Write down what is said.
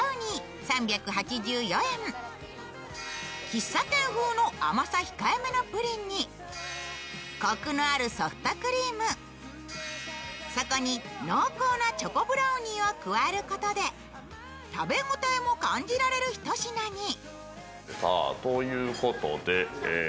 喫茶店風の甘さ控えめのプリンにコクのあるソフトクリーム、そこに濃厚なチョコブラウニーを加えることで食べ応えも感じられる一品に。